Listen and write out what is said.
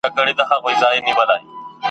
تر ماښام پوري یې هیڅ نه وه خوړلي `